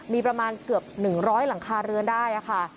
มีประมาณเกือบ๑๐๐หลังคาเรือนได้ค่ะ